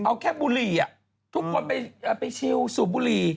เอาแค่บุหรี่ทุกคนไปชิลสูบบุหรี่